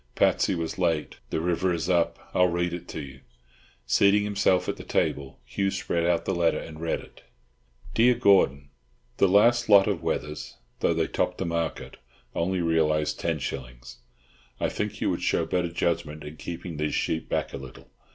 Patsy was late, the river is up. I'll read it to you." Seating himself at the table, Hugh spread out the letter, and read it:— Dear Gordon, The last lot of wethers, though they topped the market, only realised 10/ . I think you would show better judgment in keeping these sheep back a little.